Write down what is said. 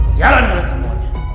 siaran mulai semuanya